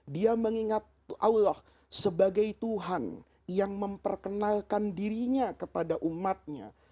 dia mengingat allah sebagai tuhan yang memperkenalkan dirinya kepada umatnya